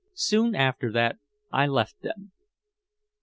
Soon after that I left them.